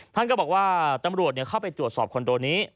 ท่านก็บอกว่าตำรวจเข้าไปตรวจสอบคอนโดนี้